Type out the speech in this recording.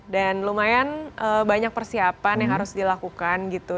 dan lumayan banyak persiapan yang harus dilakukan gitu